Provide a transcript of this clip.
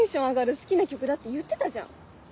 好きな曲だって言ってたじゃん。